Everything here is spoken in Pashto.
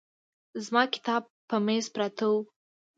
زما کتاب په مېز پراته وو.